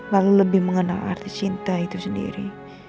lalu lebih mengenal arti cinta itu sendiri